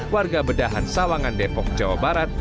warga bedahan sawangan depok jawa barat